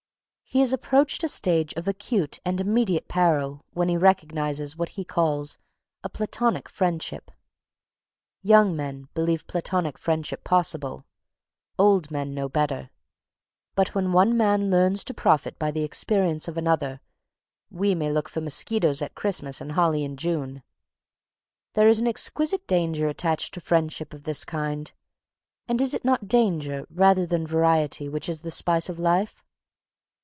He has approached a stage of acute and immediate peril when he recognises what he calls "a platonic friendship." Young men believe platonic friendship possible; old men know better but when one man learns to profit by the experience of another, we may look for mosquitoes at Christmas and holly in June. There is an exquisite danger attached to friendships of this kind, and is it not danger, rather than variety, which is "the spice of life?"